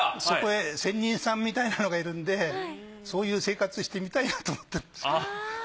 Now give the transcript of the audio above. そこへ仙人さんみたいなのがいるんでそういう生活してみたいなと思ってるんです。